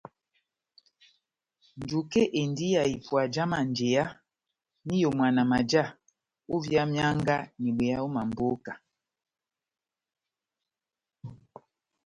Njuke endi ya ipuwa já manjeya m'iyomwana maja ovia mianga n'ibweya ó mamboka.